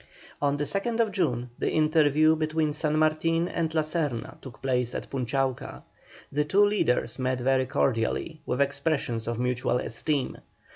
On the 2nd June, the interview between San Martin and La Serna took place at Punchauca. The two leaders met very cordially, with expressions of mutual esteem.